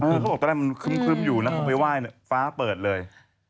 เขาบอกตอนแรกมันคึ้มอยู่นะเขาไปไหว้เนี่ยฟ้าเปิดเลย